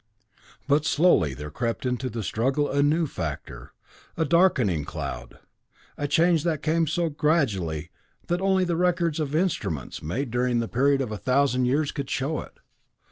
"But slowly there crept into the struggle a new factor, a darkening cloud, a change that came so gradually that only the records of instruments, made during a period of thousands of years, could show it.